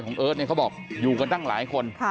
เอิร์ทเนี่ยเขาบอกอยู่กันตั้งหลายคน